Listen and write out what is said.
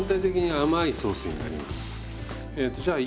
はい。